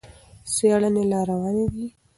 څېړنې لا روانې دي.